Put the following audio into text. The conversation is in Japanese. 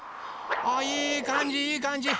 あいいかんじいいかんじ。